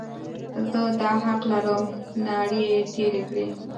زه دا حق لرم، ناړې یې تېرې کړې.